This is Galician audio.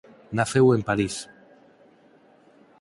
Naceu en París.